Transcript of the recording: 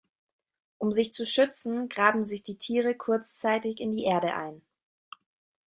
Um sich zu schützen, graben sich die Tiere kurzzeitig in die Erde ein.